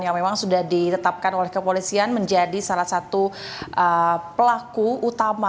yang memang sudah ditetapkan oleh kepolisian menjadi salah satu pelaku utama